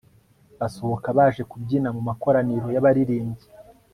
basohoka baje kubyina mu makoraniro y'abaririmbyi